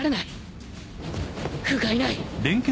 ふがいない！